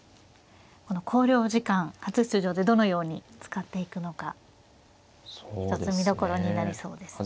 この考慮時間初出場でどのように使っていくのか一つ見どころになりそうですね。